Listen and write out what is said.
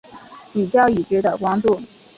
比较已知的光度。